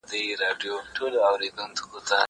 کېدای سي پلان غلط وي!